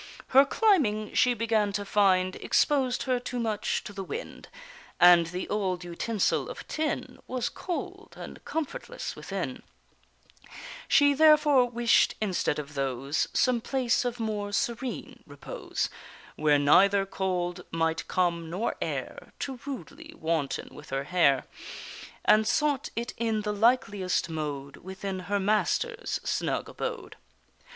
Her climbing, she began to find, Exposed her too much to the wind, And the old utensil of tin Was cold and comfortless within: She therefore wish'd instead of those Some place of more serene repose, Where neither cold might come, nor air Too rudely wanton with her hair, And sought it in the likeliest mode Within her master's snug abode.